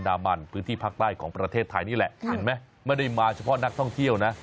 ดามันพื้นที่ภาคใต้ของประเทศไทยนี่แหละเห็นไหมไม่ได้มาเฉพาะนักท่องเที่ยวนะ